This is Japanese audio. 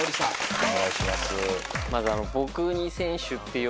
お願いします。